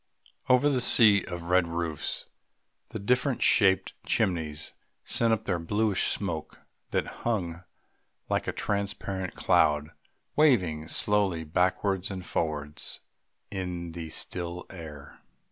Over the sea of red roofs the different shaped chimneys sent up their bluish smoke that hung like a transparent cloud waving slowly backwards and forwards in the still air.